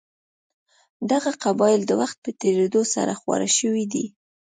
دغه قبایل د وخت په تېرېدو سره خواره شوي دي.